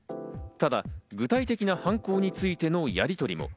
ただ具体的な犯行についてのやりとりも。